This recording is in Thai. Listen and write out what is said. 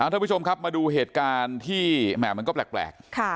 ท่านผู้ชมครับมาดูเหตุการณ์ที่แหม่มันก็แปลก